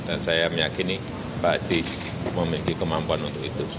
dan saya meyakini pak hedi memiliki kemampuan untuk itu